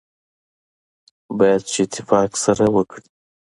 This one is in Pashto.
باید چې اتفاق سره وکړي.